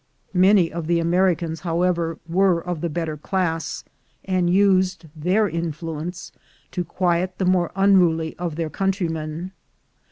Many of the Americans, however, were of the better class, and used their influence to quiet the more unruly of their coun trymen.